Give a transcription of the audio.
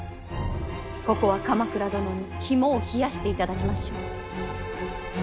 ここは鎌倉殿に肝を冷やしていただきましょう。